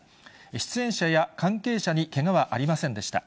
出演者や関係者にけがはありませんでした。